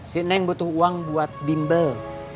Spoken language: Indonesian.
si neng butuh uang buat bimbel